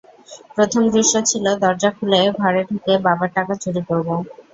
প্রথম দৃশ্য ছিল, দরজা খুলে ঘরে ঢুকে বাবার টাকা চুরি করব।